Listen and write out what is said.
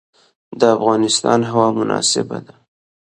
د افغانستان هوا مناسبه ده.